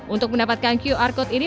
untuk mendapatkan qr code ini